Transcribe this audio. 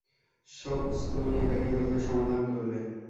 সোকস, তুমি এটা কিভাবে সমাধান করলে?